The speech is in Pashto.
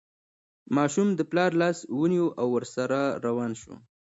ماشوم د پلار لاس ونیو او ورسره روان شو.